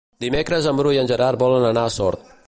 Dimecres en Bru i en Gerard volen anar a Sort.